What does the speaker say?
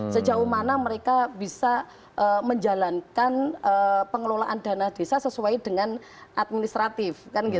sejauh mana mereka bisa menjalankan pengelolaan dana desa sesuai dengan administratif